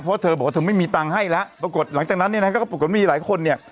เพราะเธอบอกว่าเธอไม่มีตังค์ให้แล้วปรากฏหลังจากนั้นเนี่ยนะฮะก็ปรากฏมีหลายคนเนี่ย